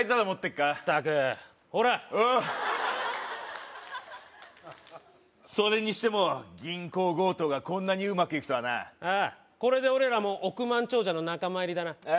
ったくほらおうそれにしても銀行強盗がこんなにうまくいくとはなああこれで俺らも億万長者の仲間入りだなああ